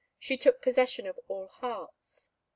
She took possession of all hearts.